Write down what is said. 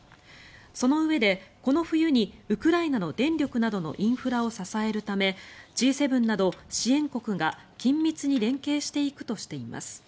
そのうえでこの冬にウクライナの電力などのインフラを支えるためＧ７など支援国が緊密に連携していくとしています。